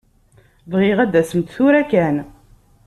Bɣiɣ ad d-tasemt tura kan.